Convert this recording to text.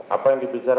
apa yang dibicarakan